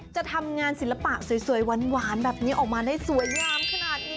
จะทำงานศิลปะสวยหวานแบบนี้ออกมาได้สวยงามขนาดนี้